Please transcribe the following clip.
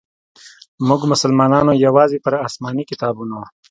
موږ مسلمانانو یوازي پر اسماني کتابونو.